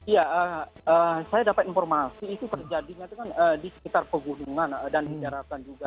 ya saya dapat informasi itu terjadinya itu kan di sekitar pegunungan dan di daratan juga